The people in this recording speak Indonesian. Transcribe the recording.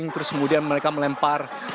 terus kemudian mereka melempar